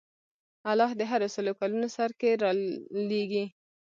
الله د هرو سلو کلونو سر کې رالېږي.